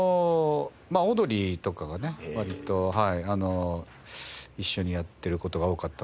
オードリーとかがね割と一緒にやってる事が多かったので。